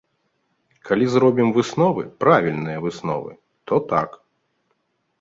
Калі зробім высновы, правільныя высновы, то так!